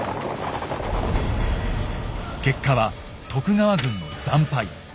結果は徳川軍の惨敗。